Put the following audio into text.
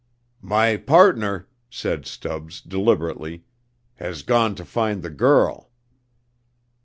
"My partner," said Stubbs, deliberately, "has gone to find the girl."